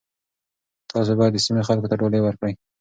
تاسي باید د سیمې خلکو ته ډالۍ ورکړئ.